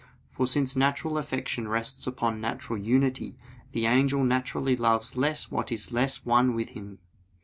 For since natural affection rests upon natural unity, the angel naturally loves less what is less one with him.